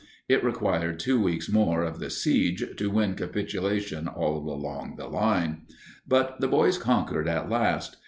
It required two weeks more of the siege to win capitulation all along the line. But the boys conquered at last.